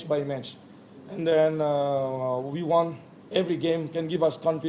setiap pertandingan dapat memberikan kepercayaan